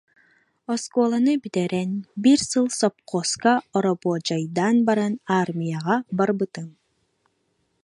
Оскуоланы бүтэрэн, биир сыл сопхуоска оробуочайдаан баран, аармыйаҕа барбытым